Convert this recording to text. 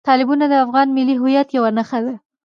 تالابونه د افغانستان د ملي هویت یوه نښه ده.